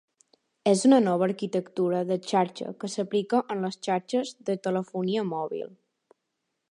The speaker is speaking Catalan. És una nova arquitectura de xarxa que s'aplica en les xarxes de telefonia mòbil.